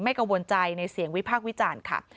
กังวลใจในเสียงวิพากษ์วิจารณ์ค่ะ